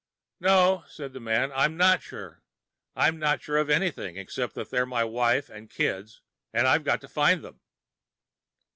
"No," said the man. "I'm not sure. I'm not sure of anything, except that they're my wife and kids. And I've got to find them."